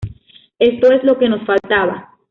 Esto es lo que nos faltaba.